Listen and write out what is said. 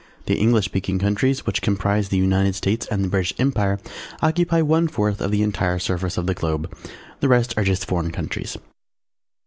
The English Speaking Countries which comprise the United States and the British Empire occupy one fourth of the entire surface of the Globe. The rest are just Foreign Countries.